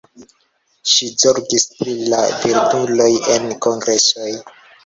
Ŝi zorgis pri la blinduloj en kongresoj.